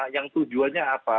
yang tujuannya apa